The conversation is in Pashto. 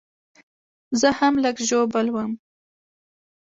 زه هم لږ ژوبل وم